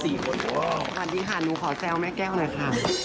สวัสดีค่ะนูขอแจ้วแม่แก้วนะค่ะ